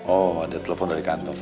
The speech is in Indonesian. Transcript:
oh ada telepon dari kantong